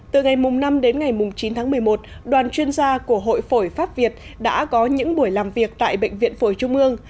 từ ngày năm đến ngày chín tháng một mươi một đoàn chuyên gia của hội phổi pháp việt đã có những buổi làm việc tại bệnh viện phổi trung ương